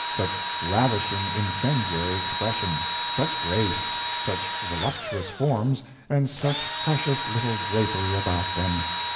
such ravishing, incendiary expression! such grace! such voluptuous forms, and such precious little drapery about them!